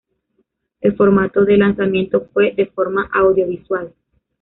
El formato de lanzamiento fue de forma audiovisual.